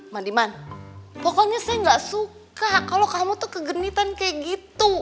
mandi man pokoknya saya gak suka kalau kamu tuh kegenitan kayak gitu